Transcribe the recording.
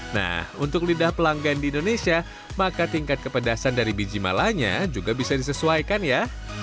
nah untuk lidah pelanggan di indonesia maka tingkat kepedasan dari biji malanya juga bisa disesuaikan ya